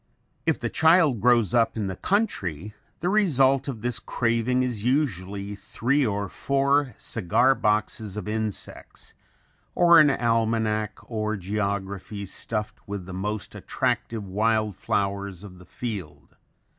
If the child grows up in the country, the result of this craving is usually three or four cigar boxes of insects or an almanac or geography stuffed with the most attractive wild flowers of the field.